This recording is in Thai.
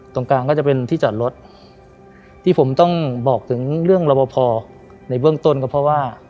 ตรงกลางก็จะเป็นที่จอดรถที่ผมต้องบอกถึงเรื่องรอบพอในเบื้องต้นก็เพราะว่า